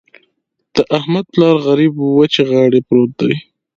د احمد پلار غريب وچې غاړې پروت دی.